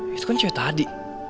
itu kan cewek tadi